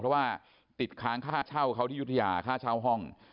เพราะว่าติดค้างค่าเช่าเขาที่ยุธยาค่าเช่าห้อง